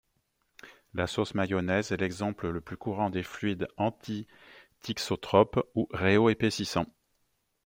La sauce mayonnaise est l'exemple le plus courant des fluides antithixotropes ou rhéoépaississants.